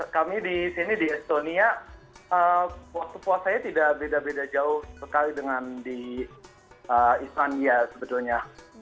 kami di sini di estonia waktu puasanya tidak beda beda jauh sekali dengan di islandia sebetulnya